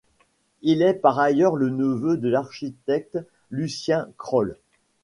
Il est par ailleurs le neveu de l'architecte Lucien Kroll.